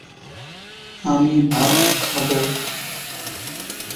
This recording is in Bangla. এ পর্যায়ে তার প্রথম-শ্রেণীর ব্যাটিংয়ের মানের অবনতি ঘটতে থাকে ও বোলিংয়ের উত্তরণ ঘটে।